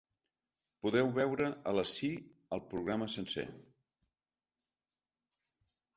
Podeu veure el ací el programa sencer.